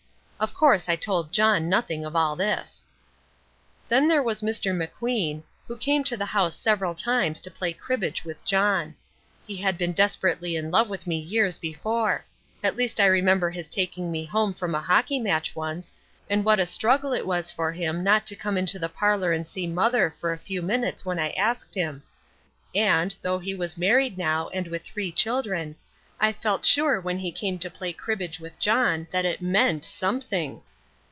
Of course I told John nothing of all this. Then there was Mr. McQueen, who came to the house several times to play cribbage with John. He had been desperately in love with me years before at least I remember his taking me home from a hockey match once, and what a struggle it was for him not to come into the parlour and see Mother for a few minutes when I asked him; and, though he was married now and with three children, I felt sure when he came to play cribbage with John that it meant something.